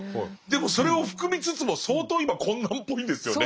でもそれを含みつつも相当今困難っぽいんですよね。